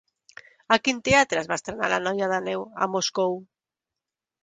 A quin teatre es va estrenar La noia de neu a Moscou?